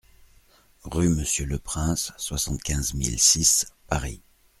Rue Monsieur le Prince, soixante-quinze mille six Paris